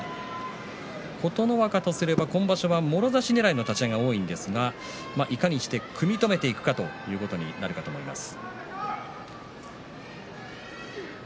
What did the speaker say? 琴ノ若とすれば今場所はもろ差しねらいの立ち合いが多いんですがいかにして組み止めていくかということになるかと思います。